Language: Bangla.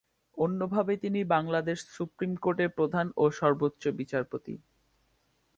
অন্যভাবে তিনি বাংলাদেশ সুপ্রীম কোর্টের প্রধান ও সর্ব্বোচ্চ বিচারপতি।